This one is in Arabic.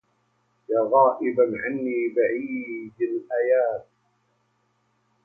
يا غائبا عني بعيد الإياب